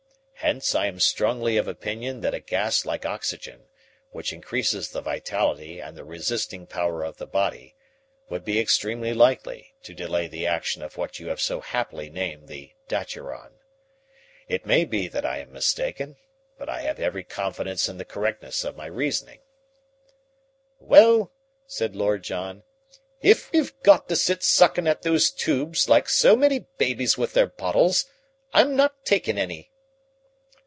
Hence I am strongly of opinion that a gas like oxygen, which increases the vitality and the resisting power of the body, would be extremely likely to delay the action of what you have so happily named the daturon. It may be that I am mistaken, but I have every confidence in the correctness of my reasoning." "Well," said Lord John, "if we've got to sit suckin' at those tubes like so many babies with their bottles, I'm not takin' any."